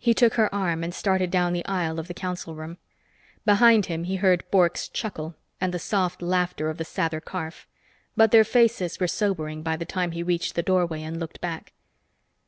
He took her arm and started down the aisle of the council room. Behind him, he heard Bork's chuckle and the soft laughter of Sather Karf. But their faces were sobering by the time he reached the doorway and looked back.